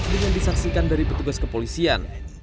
dengan disaksikan dari petugas kepolisian